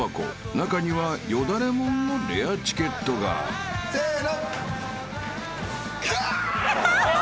［中にはよだれもんのレアチケットが］せの。か！